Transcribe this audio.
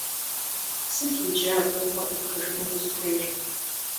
Сыт иджы абы къыпыпхыжыну узыхуейр?